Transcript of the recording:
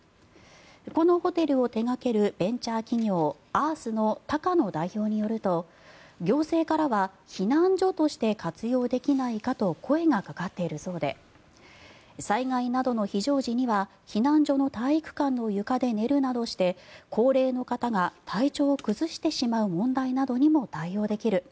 このホテルを手掛けるベンチャー企業ＡＲＴＨの高野代表によると行政からは避難所として活用できないかと声がかかっているそうで災害などの非常時には避難所の体育館の床で寝るなどして高齢の方が体調を崩してしまう問題などにも対応できる。